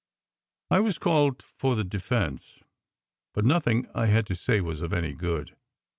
I was called for the defence, but nothing I had to say was of any good.